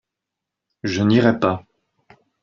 Je n'irai pas.